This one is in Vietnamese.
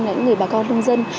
những người bà con hương dân